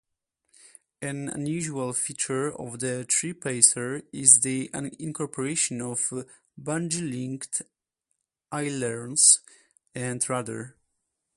An unusual feature of the Tri-Pacer is the incorporation of bungee-linked ailerons and rudder.